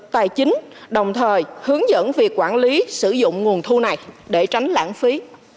tài chính đồng thời hướng dẫn việc quản lý sử dụng nguồn thu này để tránh lãng phí